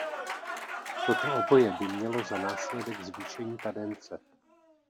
Toto oboje by mělo za následek zvýšení kadence.